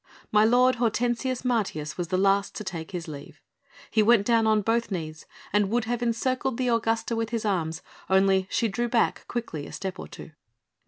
My lord Hortensius Martius was the last to take his leave. He went down on both knees and would have encircled the Augusta with his arms, only she drew back quickly a step or two.